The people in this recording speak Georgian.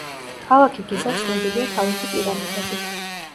ქალაქი გიზა ცნობილია თავისი პირამიდებით.